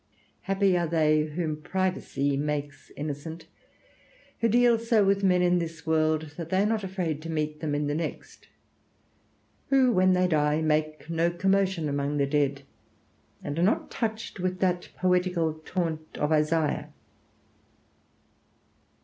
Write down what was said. Happy are they whom privacy makes innocent, who deal so with men in this world that they are not afraid to meet them in the next; who when they die make no commotion among the dead, and are not touched with that poetical taunt of Isaiah.